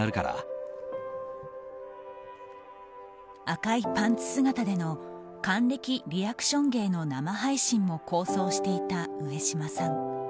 赤いパンツ姿での還暦リアクション芸の生配信も構想していた上島さん。